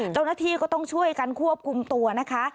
เจ้าหน้าที่ก็ต้องช่วยกันควบคุมตัวนะคะ